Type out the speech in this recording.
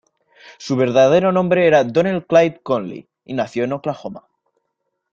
Su verdadero nombre era Donnell Clyde Cooley, y nació en Oklahoma.